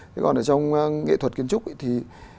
thế còn ở trong nghệ thuật kiến trúc thì